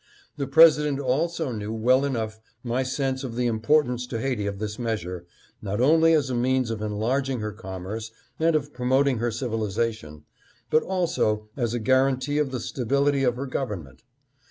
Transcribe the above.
The President already knew well enough my sense of the importance to Haiti of this measure, not only as a means of enlarging her commerce and of promoting her civili zation, but also as a guaranty of the stability of her government.